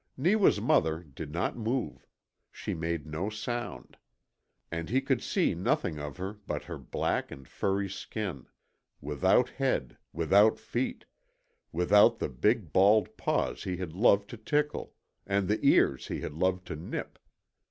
Neewa's mother did not move. She made no sound. And he could see nothing of her but her black and furry skin without head, without feet, without the big, bald paws he had loved to tickle, and the ears he had loved to nip.